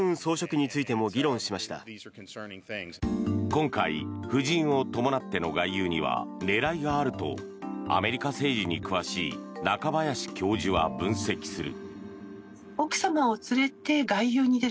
今回、夫人を伴っての外遊には狙いがあるとアメリカ政治に詳しい中林教授は分析する。